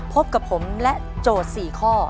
พบกับผมและโจทย์๔ข้อ